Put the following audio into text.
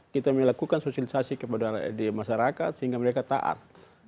kita melakukan sosialisasi kepada masyarakat sehingga mereka taat